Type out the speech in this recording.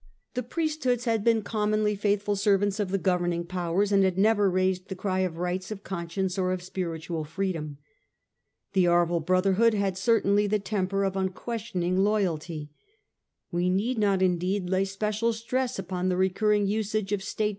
The priesthoods had been commonly faithful servants of the governing powers, and had never raised the cry of rights of con science or of spiritual freedom. The Arval Brotherhood ^rd their certainly the temper of unquestioning loyalty to loyalty. We need not, indeed, lay special powers of stress Upon the recurring usage of state Hate.